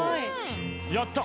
やった。